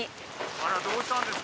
あらどうしたんですか？